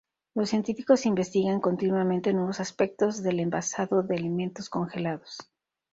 Los científicos investigan continuamente nuevos aspectos del envasado de alimentos congelados.